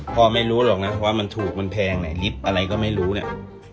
ไม่รู้หรอกนะว่ามันถูกมันแพงไหนลิฟต์อะไรก็ไม่รู้เนี่ย